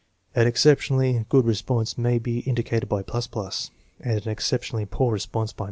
An exceptionally good response may be indicated by ++, and an exceptionally poor re sponse by